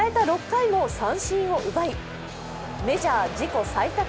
６回も三振を奪い、メジャー自己最多